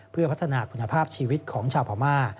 เพื่อพัฒนาคุณภาพชีวิตของชาวพม่า